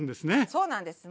そうなんです。